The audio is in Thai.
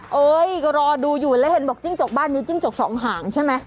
เอ้ยก็รอดูอยู่แล้วเห็นบอกจิ้งจกบ้านนี้จิ้งจกสองหางใช่ไหม